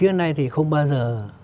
đến nay thì không bao giờ